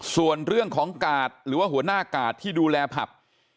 ส่วนเรื่องของกาดหรือว่าหัวหน้ากาดที่ดูแลผับ